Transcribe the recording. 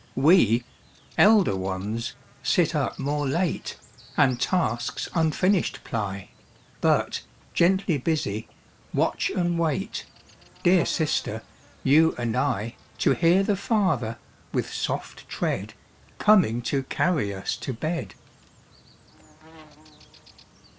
We, elder ones, sit up more late, And tasks unfinished ply, But, gently busy, watch and wait Dear sister, you and I, To hear the Father, with soft tread, Coming to carry us to bed.